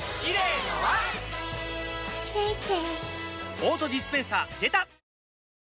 オートディスペンサーでた！